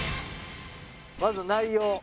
まず内容。